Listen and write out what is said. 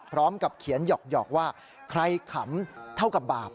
พร้อมกับเขียนหยอกว่าใครขำเท่ากับบาป